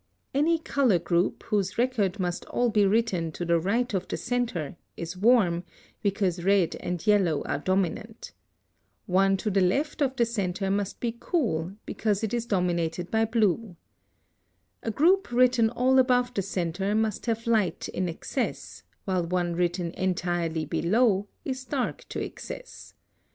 (142) Any color group, whose record must all be written to the right of the centre, is warm, because red and yellow are dominant. One to the left of the centre must be cool, because it is dominated by blue. A group written all above the centre must have light in excess, while one written entirely below is dark to excess.